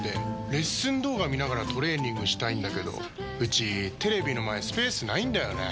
レッスン動画見ながらトレーニングしたいんだけどうちテレビの前スペースないんだよねー。